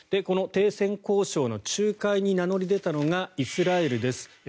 この停戦交渉の仲介に名乗り出たのがイスラエルです。